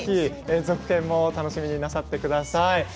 続編も楽しみになさってください。